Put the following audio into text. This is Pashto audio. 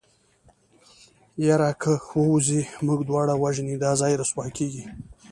يره که ووځې موږ دواړه وژني دا ځای رسوا کېږي.